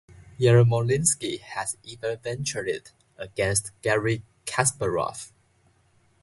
Yermolinsky has even ventured it against Garry Kasparov.